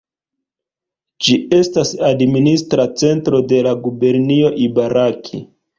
Ĝi estas administra centro de la gubernio Ibaraki.